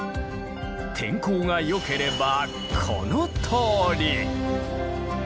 天候がよければこのとおり！